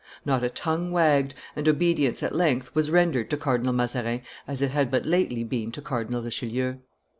Not a tongue wagged, and obedience at length was rendered to Cardinal Mazarin as it had but lately been to Cardinal Richelieu.